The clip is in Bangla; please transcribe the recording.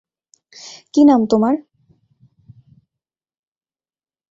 কি নাম তোমার?